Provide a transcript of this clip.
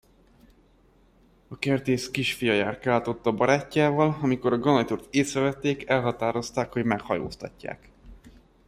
A kertész kisfia járkált ott a barátjával; amikor a ganajtúrót észrevették, elhatározták, hogy meghajóztatják.